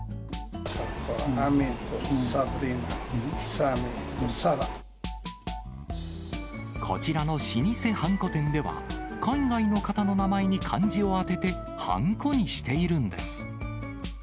アミン、サブリナ、こちらの老舗はんこ店では、海外の方の名前に漢字をあてて、はんこにしているんです。